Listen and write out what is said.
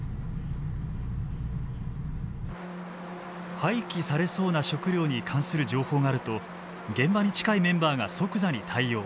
廃棄されそうな食料に関する情報があると現場に近いメンバーが即座に対応。